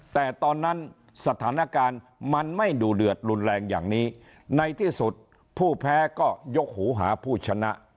แต่ตอนนั้นสถานการณ์มันไม่ดูเดือดรุนแรงอย่างนี้ในที่สุดผู้แพ้ก็ยกหูหาผู้ชนะ